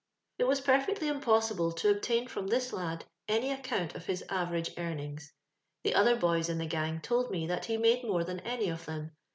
It was perfectly impossible to obtain from this lad any account of his average earnings. The other boys in the gang told me that he made more than any of them.